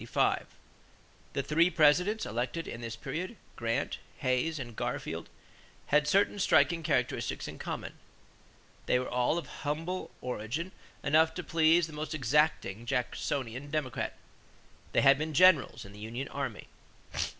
The three Presidents elected in this period, Grant, Hayes, and Garfield, had certain striking characteristics in common. They were all of origin humble enough to please the most exacting Jacksonian Democrat. They had been generals in the union army.